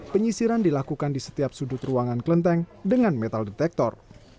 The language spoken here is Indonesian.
penyisiran dilakukan di setiap sudut ruangan kelenteng dengan metal detektor